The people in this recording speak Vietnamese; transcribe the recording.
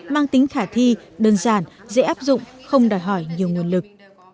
mang tính khả thi đơn giản dễ áp dụng không đòi hỏi nhiều nguồn lực